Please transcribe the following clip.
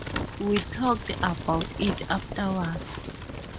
We talked about it afterwards.